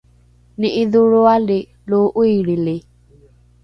ni’idholroali lo ’oilrili